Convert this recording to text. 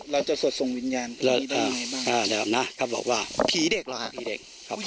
เราจะสดทรงวิญญาณพอดีได้อย่างเงี้ยบ้าง